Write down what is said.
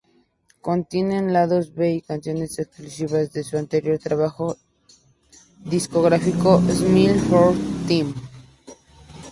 Contiene lados B y canciones excluidas de su anterior trabajo discográfico "Smile For Them".